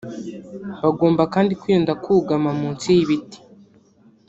Bagomba kandi kwirinda kugama munsi y’ibiti